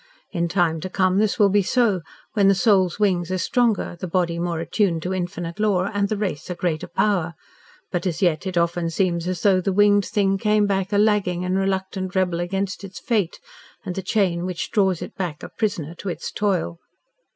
In time to come this will be so, when the soul's wings are stronger, the body more attuned to infinite law and the race a greater power but as yet it often seems as though the winged thing came back a lagging and reluctant rebel against its fate and the chain which draws it back a prisoner to its toil.